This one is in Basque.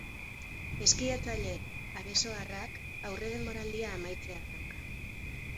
Eskiatzaile aresoarrak aurredenboraldia amaitzear dauka.